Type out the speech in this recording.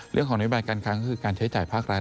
เรื่องของนวิบัติการค้าก็คือการใช้จ่ายภาครัฐ